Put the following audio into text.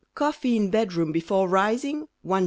Coffee in bedroom before rising, 1s.